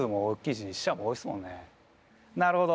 なるほど。